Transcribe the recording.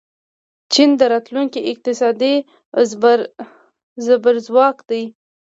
چین د راتلونکي اقتصادي زبرځواک دی.